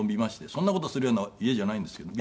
そんな事するような家じゃないんですけど。